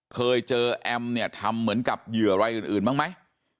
เคยเจอแอมเนี่ยทำเหมือนกับเหยื่ออะไรอื่นบ้างไหม